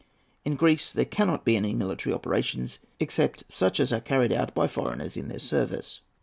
In Greece there cannot be any military operations except such as are carried on by foreigners in their service."